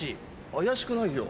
怪しくないよ